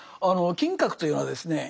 金閣というのはですね